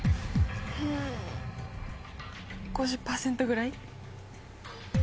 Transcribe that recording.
５０％ぐらい。